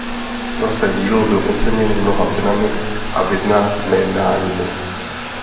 Za své dílo byl oceněn mnoha cenami a vyznamenáními.